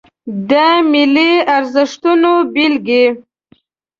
د ملي ارزښتونو بیلګې